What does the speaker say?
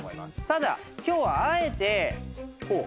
ただ今日はあえてこう。